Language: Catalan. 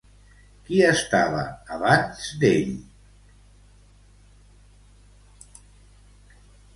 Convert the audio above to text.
Qui estava abans d'ell?